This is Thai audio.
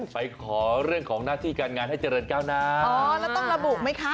ไปขอเรื่องของหน้าที่การงานให้เจริญก้าวหน้าอ๋อแล้วต้องระบุไหมคะ